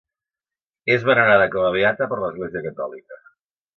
És venerada com a beata per l'Església catòlica.